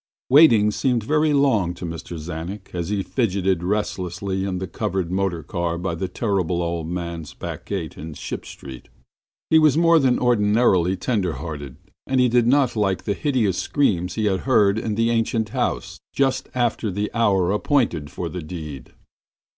Waiting seemed very long to Mr. Czanek as he fidgeted restlessly in the covered motor car by the Terrible Old Man's back gate in Ship Street. He was more than ordinarily tender hearted, and he did not like the hideous screams he had heard in the ancient house just after the hour appointed for the deed.